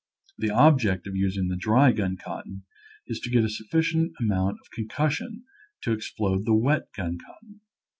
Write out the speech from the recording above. The object of using the dry gun cotton is to get a sufficient amount of con cussion to explode the wet gun cotton.